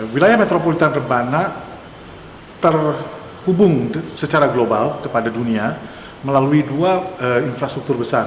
wilayah metropolitan rebana terhubung secara global kepada dunia melalui dua infrastruktur besar